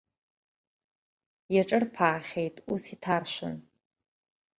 Иаҿырԥаахьеит, ус иҭаршәын!